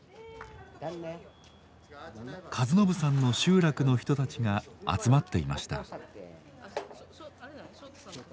和伸さんの集落の人たちが集まっていました。